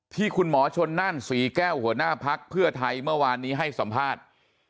ที่คุณหมอชนนั่นศรีแก้วหัวหน้าพักเพื่อไทยเมื่อวานนี้ให้สัมภาษณ์